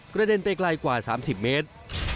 เด็นไปไกลกว่า๓๐เมตร